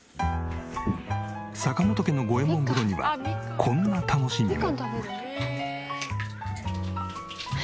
坂本家の五右衛門風呂にはこんな楽しみも。